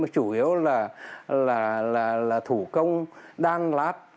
như là thủ công đan lát